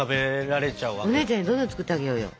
お姉ちゃんにどんどん作ってあげようよ。